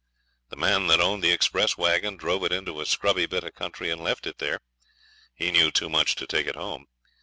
The man that owned the express waggon drove it into a scrubby bit of country and left it there; he knew too much to take it home.